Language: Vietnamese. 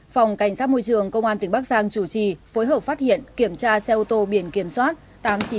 phòng cảnh sát môi trường công an tỉnh bắc giang chủ trì phối hợp phát hiện kiểm tra xe ô tô biển kiểm soát tám mươi chín c một mươi bảy nghìn hai trăm bốn mươi bốn